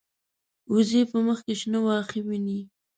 وزې په مخ کې شنه واښه ویني